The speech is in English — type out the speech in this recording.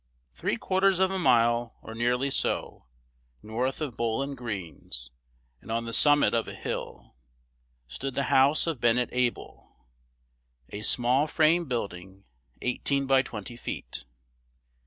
Three quarters of a mile, or nearly so, north of Bowlin Greene's, and on the summit of a hill, stood the house of Bennett Able, a small frame building eighteen by twenty feet.